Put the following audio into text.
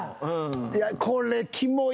いやこれ。